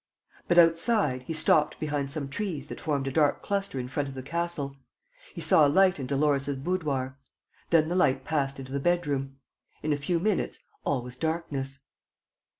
But, outside, he stopped behind some trees that formed a dark cluster in front of the castle. He saw a light in Dolores' boudoir. Then the light passed into the bedroom. In a few minutes, all was darkness.